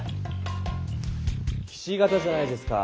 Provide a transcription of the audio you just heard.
ひし形じゃないですか。